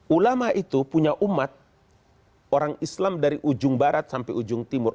ulama itu punya umat orang islam dari ujung barat sampai ujung timur